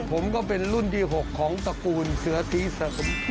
ผมก็เป็นรุ่นที่๖ของตระกูลเสือทีสะสม